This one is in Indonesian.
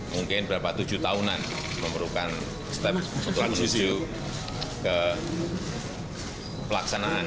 mungkin berapa tujuh tahunan memerlukan step transisi ke pelaksanaan